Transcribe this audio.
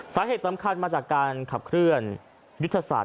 สาเหตุสำคัญมาจากการขับเคลื่อนยุทธศาสต